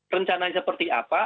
rencana seperti apa